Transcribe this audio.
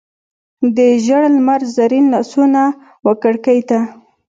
د ژړ لمر زرین لاسونه وکړکۍ ته،